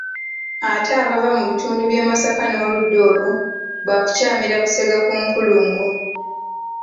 Ate abava mu bitundu by'e Masaka n'oludda olwo baakukyamira Busega ku nkulungo